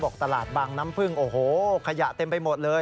ตลาดบางน้ำพึ่งโอ้โหขยะเต็มไปหมดเลย